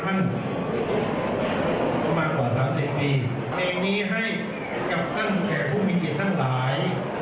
เพลงนี้ให้กับท่านแขกผู้มีเกียรติท่านหลาย